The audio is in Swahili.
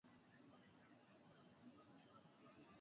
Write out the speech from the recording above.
kwenye titi unaweza kukakaa katika maeneo aaa matano